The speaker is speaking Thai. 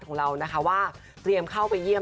ของเรานะคะว่าเตรียมเข้าไปเยี่ยม